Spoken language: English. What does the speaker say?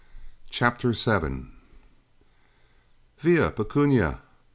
CHAPTER VII. Via, Pecunia!